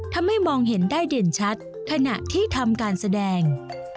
ทำให้มองเห็นได้เด่นชัดขณะที่ทำการแสดง